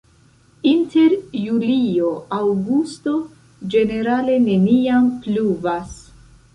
Inter julio-aŭgusto ĝenerale neniam pluvas.